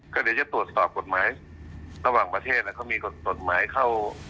ก็เดี๋ยวจะตรวจสอบกฎหมายระหว่างประเทศแล้วเขามีกฎหมายเข้า